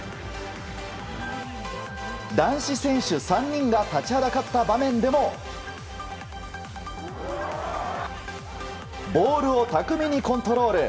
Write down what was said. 男子選手３人が立ちはだかった場面でもボールを巧みにコントロール。